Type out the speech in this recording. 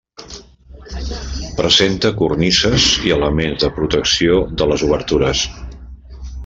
Presenta cornises i elements de protecció de les obertures.